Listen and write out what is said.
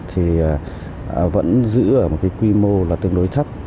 thì vẫn giữ ở một quy mô tương đối thấp